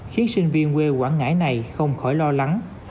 khiến sinh viên quê quảng ngãi này không khỏi lo lắng